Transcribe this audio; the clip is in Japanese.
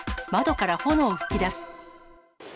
窓から炎噴き出す。